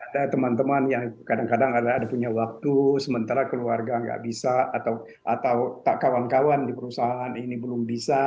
ada teman teman yang kadang kadang ada punya waktu sementara keluarga nggak bisa atau kawan kawan di perusahaan ini belum bisa